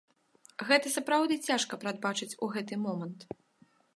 Гэта сапраўды цяжка прадбачыць у гэты момант.